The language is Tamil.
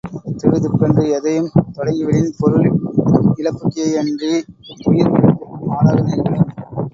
திடுதிப்பென்று எதையும் தொடங்கிவிடின், பொருள் இழப்புக்கேயன்றி உயிர் இழப்பிற்கும் ஆளாக நேரிடும்.